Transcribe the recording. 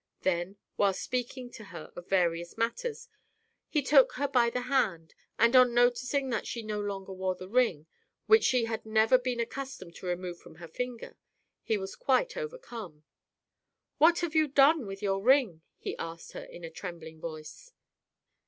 Then, whilst speaking to her of various matters, he took her by the hand, and on noticing that she no longer wore the ring, which she had never been accustomed to remove from her finger, he was quite overcome. "What have you done with your ring?" he asked her in a trembling voice.